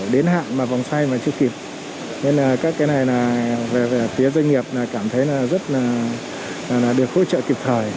đến hạn mà vòng say mà chưa kịp nên là các cái này là về phía doanh nghiệp cảm thấy là rất là được hỗ trợ kịp thời